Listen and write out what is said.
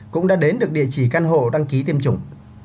cũng đã đến được địa chỉ căn hộ đăng ký tiêm chủng